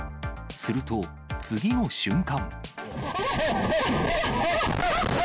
すると、次の瞬間。